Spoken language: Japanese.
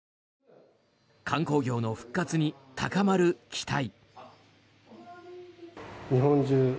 観光業の復活に高まる期待。